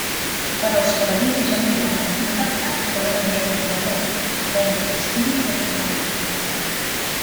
Però els cavallers i gentilhomes en cap cas poden enviar procurador, havent d'assistir-hi personalment.